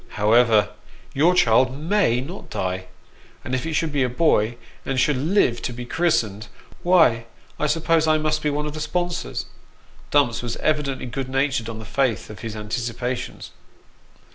However, your child may not die ; and if it should be a boy, and should live to be christened, why I suppose I must be one of the sponsors." Dumps was evidently good natured on the faith of his anticipations.